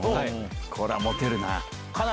こりゃモテるな。